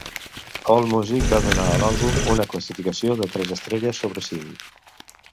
Allmusic va donar a l'àlbum una classificació de tres estrelles sobre cinc.